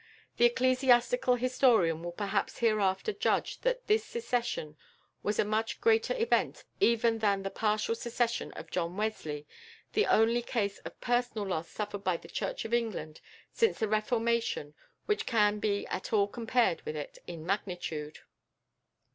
The ecclesiastical historian will perhaps hereafter judge that this secession was a much greater event even than the partial secession of John Wesley, the only case of personal loss suffered by the Church of England since the Reformation which can be at all compared with it in magnitude."